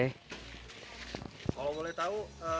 kalau boleh tahu